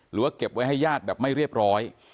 เก็บไว้ให้ญาติแบบไม่เรียบร้อย